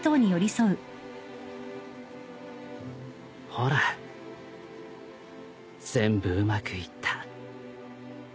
ほら全部うまくいった